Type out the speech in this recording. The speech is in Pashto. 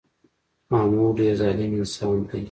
محمود ډېر ظالم انسان دی